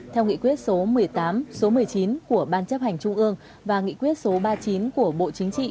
theo nghị quyết số một mươi tám số một mươi chín của ban chấp hành trung ương và nghị quyết số ba mươi chín của bộ chính trị